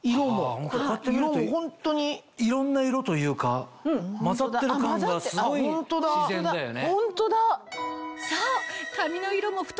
こうやって見るといろんな色というか混ざってる感がすごい自然だよね。